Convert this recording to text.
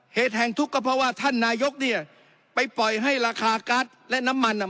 เหตุแห่งทุกข์ก็เพราะว่าท่านนายกเนี่ยไปปล่อยให้ราคาการ์ดและน้ำมันอ่ะ